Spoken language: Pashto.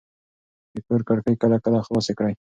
د کور کړکۍ کله کله خلاصې کړئ.